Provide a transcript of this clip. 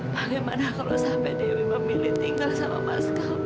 bagaimana kalau sampai dewi memilih tinggal sama mas kami